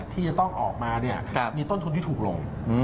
ที่จะต้องออกมามีต้นทุนที่ถูกลง